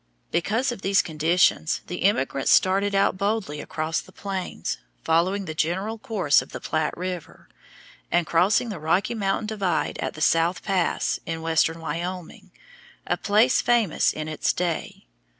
Because of these conditions the emigrants started out boldly across the plains, following the general course of the Platte River, and crossing the Rocky Mountain divide at the South Pass in western Wyoming, a place famous in its day.